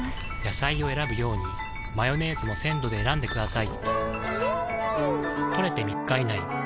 野菜を選ぶようにマヨネーズも鮮度で選んでくださいん！